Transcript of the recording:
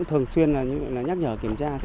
thường xuyên nhắc nhở kiểm tra